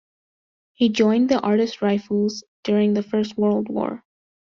He joined the Artists Rifles during the First World War.